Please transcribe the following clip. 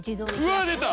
うわっ出た！